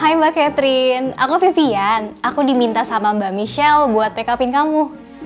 hai mbak catherine aku vivian aku diminta sama mbak michelle buat makeup in kamu